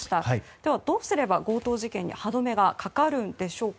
では、どうすれば強盗事件に歯止めがかかるんでしょうか。